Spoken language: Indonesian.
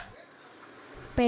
pd dari dari